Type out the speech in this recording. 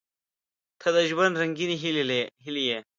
• ته د ژوند رنګینې هیلې یې.